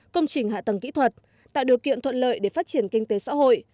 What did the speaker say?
công trình hạ tầng kỹ thuật tạo điều kiện thuận lợi để phát triển kinh tế xã hội